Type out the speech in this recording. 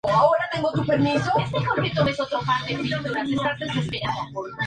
Posteriormente se mencionan fragmentos de columnas y otros elementos decorados con motivos vegetales.